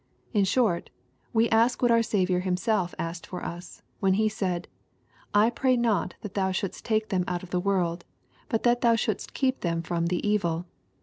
In short, we ask what our Saviour Him self asked for us, when He said, " I pray not that thou shouldest take them out of the world, but that thou shouldest keep them from the evil."